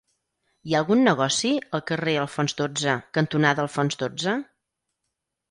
Hi ha algun negoci al carrer Alfons dotze cantonada Alfons dotze?